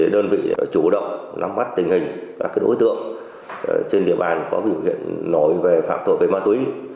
đơn vị chủ động nắm mắt tình hình và đối tượng trên địa bàn có vụ hiện nổi về phạm tội về ma túy